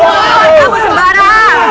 keluar kamu sembara